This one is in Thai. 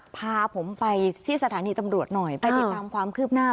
พาผมไปที่สถานีตำรวจหน่อยไปติดตามความคืบหน้า